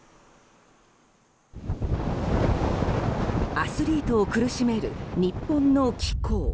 アスリートを苦しめる日本の気候。